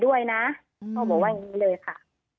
พ่อบอกว่าอย่างนี้เลยค่ะ